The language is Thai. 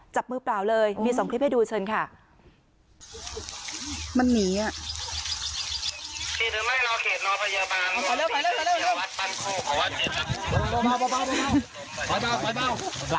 จับมือเปล่าเลยมีสองคลิปให้ดูเชิญค่ะมันหนีอ่ะ